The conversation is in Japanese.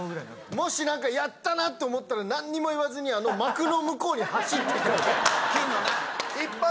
もしやったなと思ったら何にも言わずに幕の向こうに走って。